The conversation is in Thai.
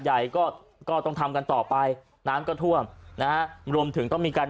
ใหญ่ก็ก็ต้องทำกันต่อไปน้ำก็ท่วมนะฮะรวมถึงต้องมีการ